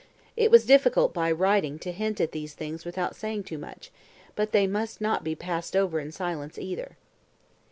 It was difficult by writing to hint at these things without saying too much, but they must not be passed over in silence either.